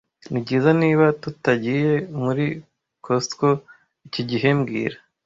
Nibyiza niba tutagiye muri Costco iki gihe mbwira